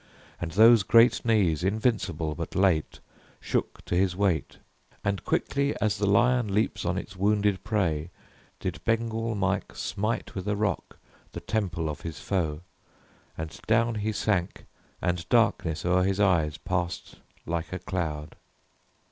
And those great knees, invincible but late, Shook to his weight. And quickly as the lion Leaps on its wounded prey, did Bengal Mike Smite with a rock the temple of his foe, And down he sank and darkness o'er his eyes Passed like a cloud.